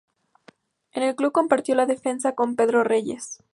En el club compartió la defensa con Pedro Reyes.